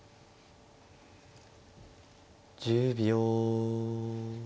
１０秒。